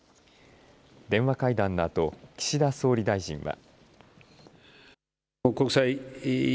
電話会談のあと岸田総理大臣は。